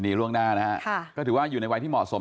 ก็คืออย่างที่เคยบอกไปตั้งแต่แรกหรือว่าก็บอกมาตลอด